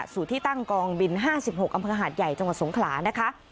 สู่ที่ตั้งกองบิน๕๖อำเภอหาดใหญ่จังหวัดสงขลานะคะ